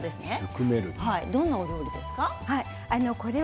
どんなお料理ですか？